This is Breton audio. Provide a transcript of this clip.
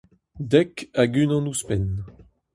Dek hag unan ouzhpenn.